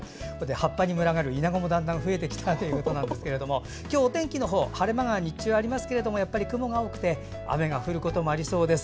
葉っぱに群がるイナゴも増えてきたということですが今日は晴れ間が日中ありますけど雲が多くて雨が降ることもありそうです。